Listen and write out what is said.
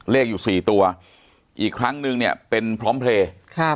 อยู่สี่ตัวอีกครั้งนึงเนี่ยเป็นพร้อมเพลย์ค่ะ